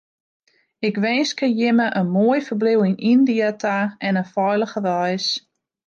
Ik winskje jimme in moai ferbliuw yn Yndia ta en in feilige reis.